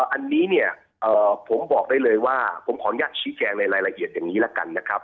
อันนี้เนี่ยผมบอกได้เลยว่าผมขออนุญาตชี้แจงในรายละเอียดอย่างนี้ละกันนะครับ